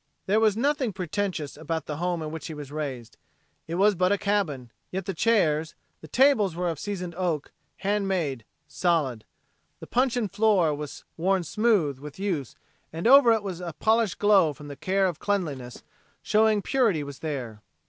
There was nothing pretentious about the home in which he was raised. It was but a cabin, yet the chairs, the tables were of seasoned oak, hand made, solid. The puncheon floor was worn smooth with use and over it was a polished glow from the care of cleanliness, showing purity was there.